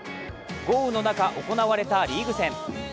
豪雨の中、行われたリーグ戦。